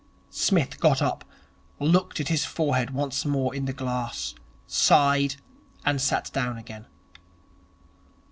Psmith got up, looked at his forehead once more in the glass, sighed, and sat down again.